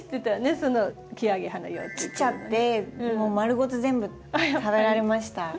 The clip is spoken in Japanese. そのキアゲハの幼虫。来ちゃってもう丸ごと全部食べられました。